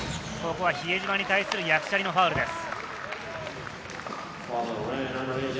ここは比江島に対するヤクチャリのファウルです。